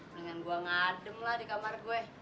dengan gue ngadem lah di kamar gue